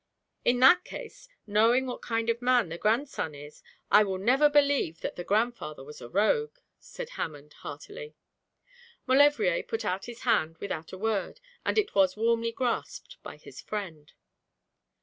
'In that case, knowing what kind of man the grandson is, I will never believe that the grandfather was a rogue,' said Hammond, heartily. Maulevrier put out his hand without a word, and it was warmly grasped by his friend.